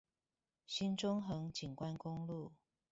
新中橫景觀公路